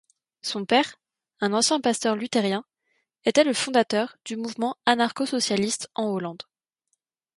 Son père, un ancien pasteur luthérien, était le fondateur du mouvement anarcho-socialiste en Hollande.